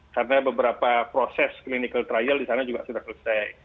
karena beberapa proses clinical trial disana juga sudah selesai